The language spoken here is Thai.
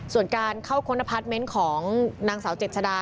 ส่วนการเข้าค้นพัสเม้นของนางสาวเจ็ดชะดา